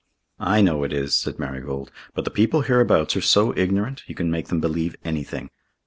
"I know it is," said Marigold. "But the people hereabouts are so ignorant, you can make them believe anything."